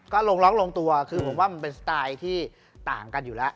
ก็ลงร้องลงตัวคือผมว่ามันเป็นสไตล์ที่ต่างกันอยู่แล้ว